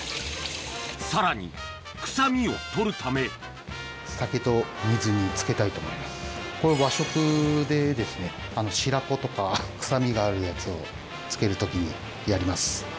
さらに臭みを取るためこれ和食で白子とか臭みがあるやつをつける時にやります。